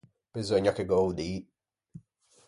Beseugna che gh’ô dî.